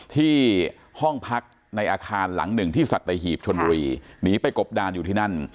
ที่ห้องพักในอาคารหลังหนึ่งที่สัตหีบชนบุรีหนีไปกบดานอยู่ที่นั่น